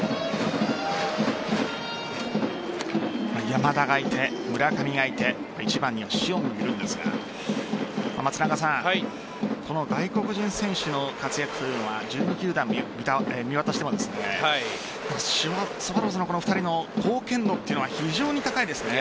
山田がいて、村上がいて１番には塩見もいるんですが外国人選手の活躍は１２球団見渡してもスワローズの２人の貢献度は非常に高いですね。